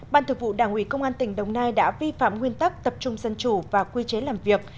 ban thực vụ đảng ủy công an tỉnh đồng nai đã vi phạm nguyên tắc tập trung dân chủ và quy chế làm việc